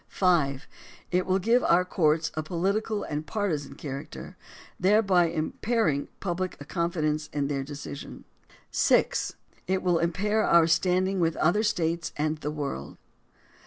(5) It will give our courts a political and partisan character, thereby impairing public confidence in their de cisions. (6) It will impair our standing with other States and the world.